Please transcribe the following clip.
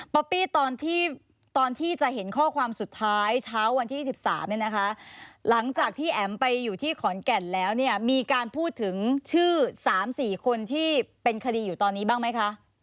ปี้ตอนที่จะเห็นข้อความสุดท้ายเช้าวันที่๑๓เนี่ยนะคะหลังจากที่แอ๋มไปอยู่ที่ขอนแก่นแล้วเนี่ยมีการพูดถึงชื่อ๓๔คนที่เป็นคดีอยู่ตอนนี้บ้างไหมคะ